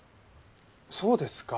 そうですか。